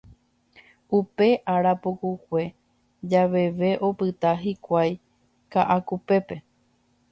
Upe ára pukukue javeve opyta hikuái Ka'akupépe.